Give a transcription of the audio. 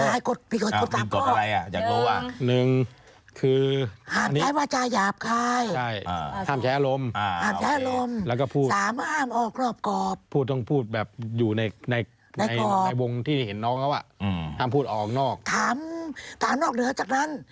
ในวงค์ที่เห็นน้องเขาอ่ะอืมห้ามพูดออกออกนอกห้ามสามนอกเหลือจากนั้น